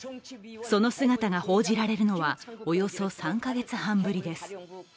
その姿が報じられるのはおよそ３月半ぶりです。